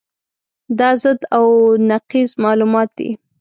دا ضد او نقیض معلومات دي.